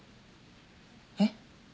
えっ？